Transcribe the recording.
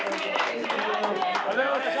ありがとうございます。